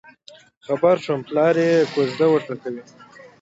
خبر شوم پلار یې کوزده ورته کوي.